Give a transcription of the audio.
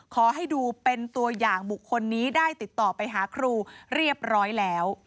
ขอให้ดูเป็นตัวอย่างบุคคลนี้ได้ติดต่อไปหาครูเรียบร้อยแล้ว